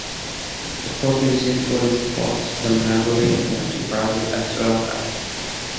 The Portuguese influence brought the mandolin to Brazil and Sri Lanka.